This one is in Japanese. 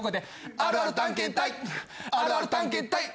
あるある探検隊。